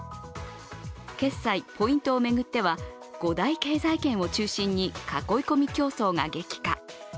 決済、ポイントを巡っては５大経済圏を中心に囲い込み競争が激化。